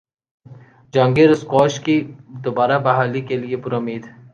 Jahangir squash کی دوبارہ بحالی کیلئے پرامید